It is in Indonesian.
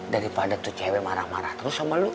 daripada tuh cewek marah marah terus sama lu